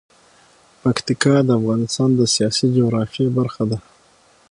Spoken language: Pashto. پکتیا د افغانستان د سیاسي جغرافیه برخه ده.